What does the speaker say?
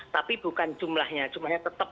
tapi bukan jumlahnya jumlahnya tetap